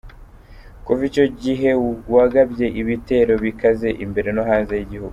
Kuva icyo gihe wagabye ibitero bikaze imbere no hanze y'igihugu.